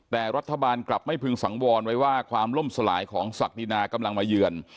แต่รัฐบาลกลับไม่พึงสังวรไว้ว่าความล่มสลายของศักดินากำลังมาเยือน